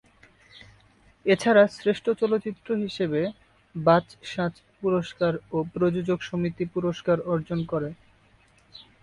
এছাড়া শ্রেষ্ঠ চলচ্চিত্র হিসেবে বাচসাস পুরস্কার ও প্রযোজক সমিতি পুরস্কার অর্জন করে।